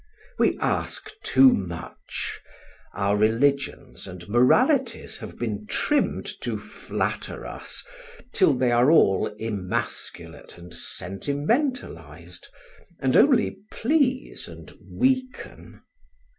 We ask too much. Our religions and moralities have been trimmed to flatter us, till they are all emasculate and sentimentalised, and only please and weaken.